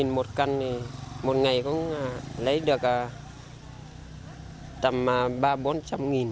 một mươi đồng một cân thì một ngày cũng lấy được tầm ba trăm linh bốn trăm linh đồng